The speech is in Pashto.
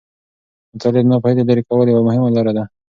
مطالعه د ناپوهي د لیرې کولو یوه مهمه لاره ده.